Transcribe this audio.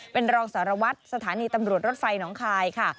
เป็นรองสารวัตรสถานีตำรวจรถไฟน้องคายค่ะ